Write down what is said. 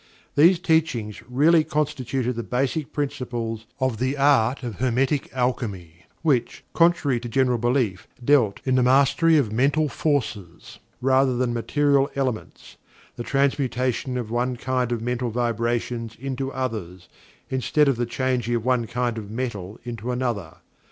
These teachings really constituted the basic principles of "The Art of Hermetic Alchemy," which, contrary to the general belief, dealt in the mastery of Mental Forces, rather than Material Elements the Transmutation of one kind of Mental Vibrations into others, instead of the changing of one kind of metal into another.